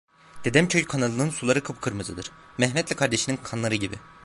Dedemköy kanalının suları kıpkırmızıdır: Mehmet'le kardeşinin kanları gibi.